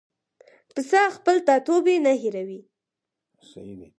پسه خپل ټاټوبی نه هېروي.